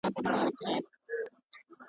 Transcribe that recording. طبیعت د انسان ژوند اسانه کوي.